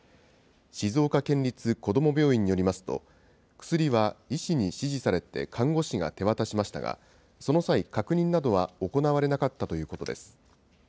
静岡県立こども病院によりますと、薬は医師に指示されて看護師が手渡しましたが、その際、確認などは行われなかったということです。